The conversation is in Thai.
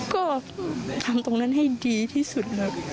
ก็ทำตรงนั้นให้ดีที่สุดครับ